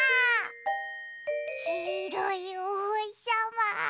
きいろいおほしさま。